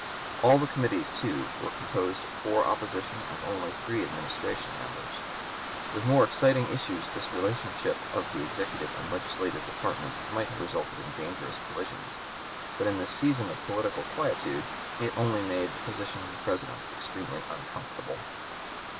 All the committees too were composed of four opposition and only three Administration members. With more exciting issues this relationship of the executive and legislative departments might have resulted in dangerous collisions; but in this season of political quietude it only made the position of the President extremely uncomfortable.